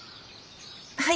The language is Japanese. はい。